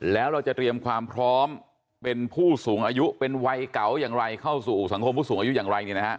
แล้วเราจะเตรียมความพร้อมเป็นผู้สูงอายุเป็นวัยเก่าอย่างไรเข้าสู่สังคมผู้สูงอายุอย่างไร